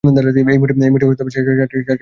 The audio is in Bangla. এই হিটে মোট সাতটি দেশের প্রতিযোগী অংশ নেয়।